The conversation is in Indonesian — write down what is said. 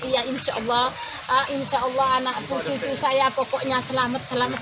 ya insya allah insya allah anakku cucu saya pokoknya selamat selamat